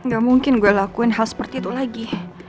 gak mungkin gue lakuin hal seperti itu lagi